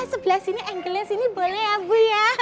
hey sebelah sini angle nya sini boleh ya bu ya